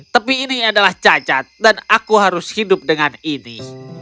tapi ini adalah cacat dan aku harus hidup dengan ini